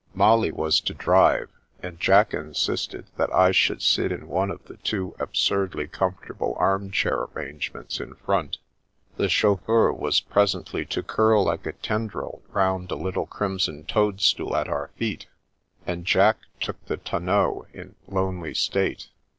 Molly was to drive, and Jack insisted that I should sit in one of the two absurdly comfortable armchair arrangements in front. The chauffeur was presently to curl like a tendril round a little crimson toadstool at our feet, and Jack took the ton neau in lonely state.